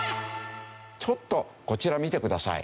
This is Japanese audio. ちょっとこちらを見てください。